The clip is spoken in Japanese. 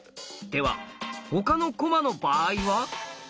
では他の駒の場合は？